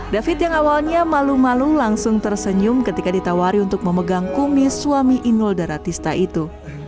david yang awalnya malu malu langsung tersenyum ketika ditawari untuk memegang kumis suami inul daratista itu